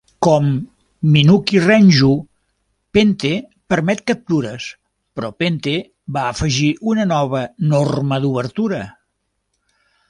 Com "ninuki-renju," Pente permet captures, però Pente va afegir una nova norma d'obertura.